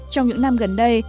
trong những năm gần đây